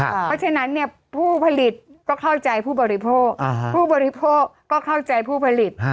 เพราะฉะนั้นเนี่ยผู้ผลิตก็เข้าใจผู้บริโภคผู้บริโภคก็เข้าใจผู้ผลิต